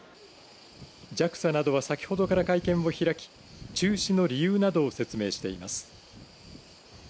ＪＡＸＡなどは先ほどから会見を開き中止の理由などを説明しています。